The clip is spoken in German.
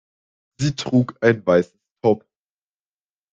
Sie trug ein weißes Top.